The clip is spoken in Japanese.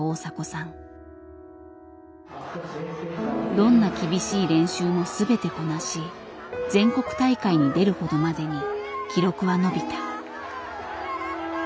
どんな厳しい練習も全てこなし全国大会に出るほどまでに記録は伸びた。